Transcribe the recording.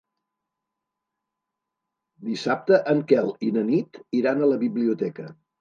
Dissabte en Quel i na Nit iran a la biblioteca.